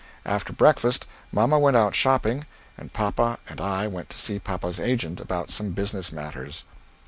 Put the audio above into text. After breakfast mamma went out shopping and papa and I went to see papa's agent about some business matters.